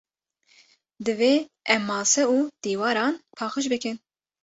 Divê em mase û dîwaran paqij bikin.